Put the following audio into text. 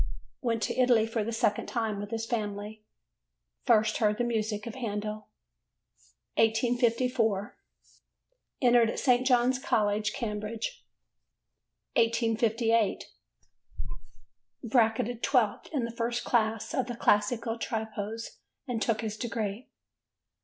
Went to Italy for the second time with his family. First heard the music of Handel. 1854. Entered at St. John's College, Cambridge. 1858. Bracketed 12th in the first class of the Classical Tripos and took his degree.